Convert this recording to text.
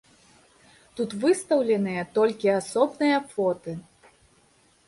Тут выстаўленыя толькі асобныя фоты.